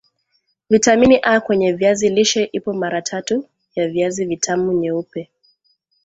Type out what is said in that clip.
vitamini A kwenye viazi lishe ipo mara tatu ya viazi vitamu nyeupe